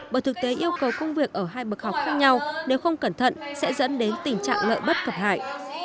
bởi thực tế yêu cầu công việc ở hai bậc học khác nhau nếu không cẩn thận sẽ dẫn đến tình trạng lợi bất cập hại